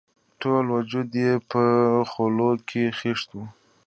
ټول وجود یې په خولو کې خیشت وو.